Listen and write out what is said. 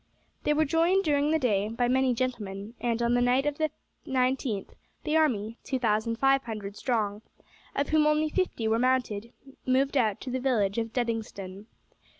They were joined during the day by many gentlemen, and on the night of the 19th the army, two thousand five hundred strong, of whom only fifty were mounted, moved out to the village of Duddingston.